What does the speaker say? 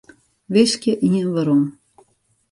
Wiskje ien werom.